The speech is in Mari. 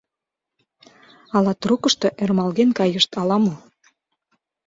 Ала трукышто ӧрмалген кайышт, ала-мо.